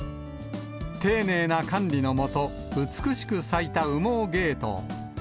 丁寧な管理の下、美しく咲いた羽毛ゲイトウ。